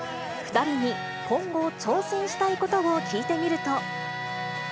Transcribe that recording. ２人に今後、挑戦したいことを聞いてみると。